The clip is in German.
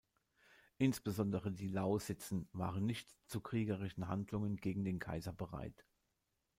Insbesondere die Lausitzen waren nicht zu kriegerischen Handlungen gegen den Kaiser bereit.